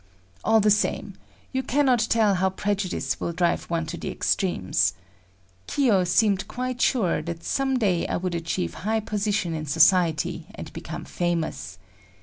All the same, you cannot tell how prejudice will drive one to the extremes. Kiyo seemed quite sure that some day I would achieve high position in society and become famous.